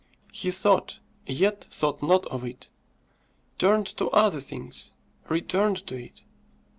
He thought, yet thought not of it; turned to other things returned to it.